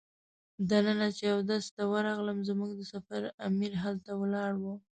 دننه چې اودس ته ورغلم زموږ د سفر امیر هلته ولاړ و.